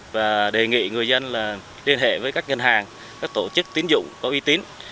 và đề nghị người dân là liên hệ với các ngân hàng các tổ chức tín dụng có uy tín